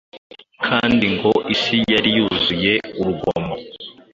kandi ngo ‘isi yari yuzuye urugomo.’